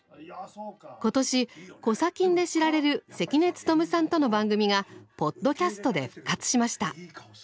ことし「コサキン」で知られる関根勤さんとの番組がポッドキャストで復活しました。